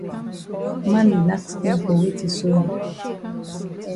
Man di nack skin for weti sef eh?